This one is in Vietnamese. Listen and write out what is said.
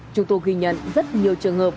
chúng tôi ghi nhận rất nhiều trường hợp